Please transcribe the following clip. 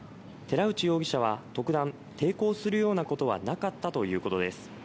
寺内容疑者は特段、抵抗するようなことはなかったということです。